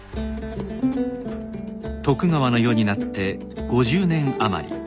徳川の世になって５０年余り。